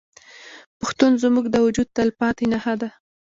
پښتو زموږ د وجود تلپاتې نښه ده.